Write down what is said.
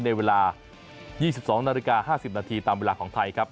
ในเวลา๒๒นาฬิกา๕๐นาทีตามเวลาของไทยครับ